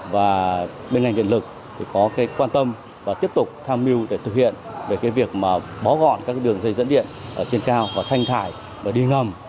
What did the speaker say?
và bên ngành điện lực thì có cái quan tâm và tiếp tục tham mưu để thực hiện về cái việc bó gọn các đường dây dẫn điện trên cao và thanh thải và đi ngầm